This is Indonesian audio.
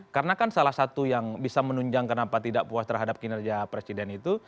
karena kan salah satu yang bisa menunjang kenapa tidak puas terhadap kinerja presiden itu